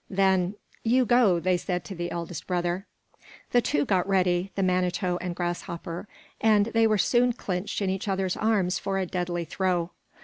Then, "You go," they said to the eldest brother. The two got ready the Manito and Grasshopper and they were soon clinched in each other's arms for a deadly throw.